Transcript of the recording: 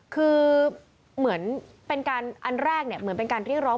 คือเหมือนเป็นการอันแรกหรือเป็นการเร่งร้อง